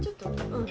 うん。